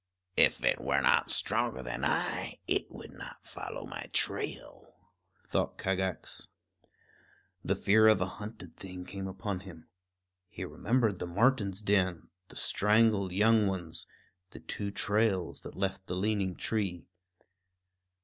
"If it were not stronger than I, it would not follow my trail," thought Kagax. The fear of a hunted thing came upon him. He remembered the marten's den, the strangled young ones, the two trails that left the leaning tree.